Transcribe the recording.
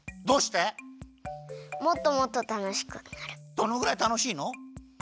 どのぐらいたのしいの？